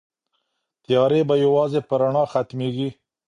تيارې به يوازې په رڼا ختميږي.